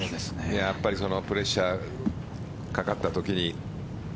やっぱりプレッシャーかかった時に。